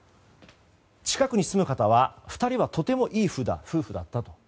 近くに住む方は２人はとてもいい夫婦だったと。